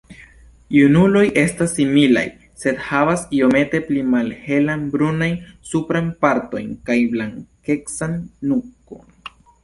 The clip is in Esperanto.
Junuloj estas similaj, sed havas iomete pli malhelan brunajn suprajn partojn kaj blankecan nukon.